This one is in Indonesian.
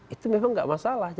itu memang tidak masalah